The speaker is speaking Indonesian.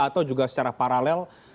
atau juga secara paralel